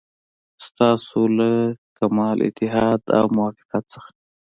ستاسو له کمال اتحاد او موافقت څخه.